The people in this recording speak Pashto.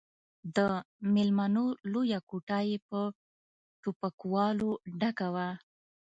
د ميلمنو لويه کوټه يې په ټوپکوالو ډکه وه.